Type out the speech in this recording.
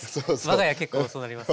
我が家結構そうなります。